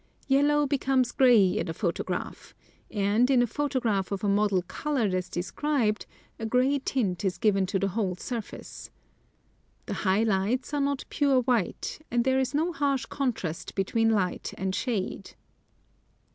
Yellow becomes grey in a photograph, and, in a photograph of a model colored as described, a grey tint is given to the whole surface. The high lights are not pure white, and there is no harsh contrast between light and shade.